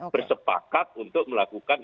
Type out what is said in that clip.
bersepakat untuk melakukan